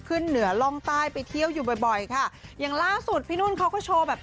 ขึ้นเหนือล่องใต้ไปเที่ยวอยู่บ่อยบ่อยค่ะอย่างล่าสุดพี่นุ่นเขาก็โชว์แบบ